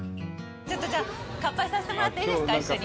じゃあ、乾杯させてもらっていいですか、一緒に。